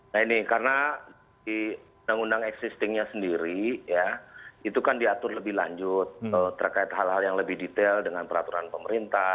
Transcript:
nah ini karena di undang undang existingnya sendiri ya itu kan diatur lebih lanjut terkait hal hal yang lebih detail dengan peraturan pemerintah